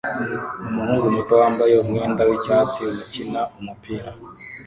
Umuhungu muto wambaye umwenda wicyatsi ukina umupira